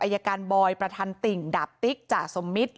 อายการบอยประธานติ่งดาบติ๊กจ่าสมมิตร